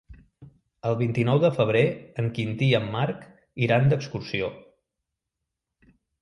El vint-i-nou de febrer en Quintí i en Marc iran d'excursió.